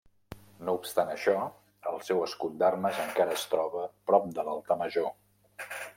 No obstant això, el seu escut d'armes encara es troba prop de l'altar major.